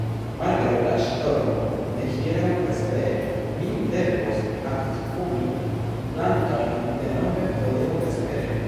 Malgraŭ la ŝtormo de hieraŭ vespere, mi devos akvumi plantojn denove hodiaŭ vespere.